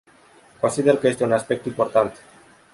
Consider că este un aspect important.